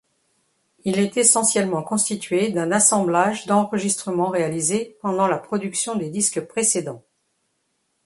Il est essentiellement constitué d'un assemblage d'enregistrements réalisés pendant la production des disques précédents.